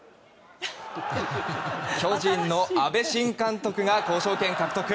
巨人の阿部新監督が交渉権獲得。